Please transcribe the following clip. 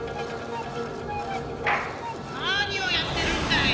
何をやってるんだい！